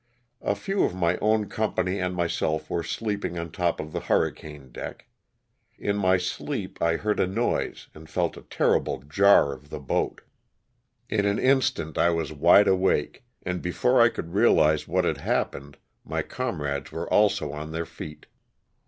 A few of my own company and myself were sleeping on top of the hurricane deck. In my sleep I heard a noise and felt a terrible jar of the boat. In an instant I was wide awake, and before I could realize what had happened my comrades were also on their feet.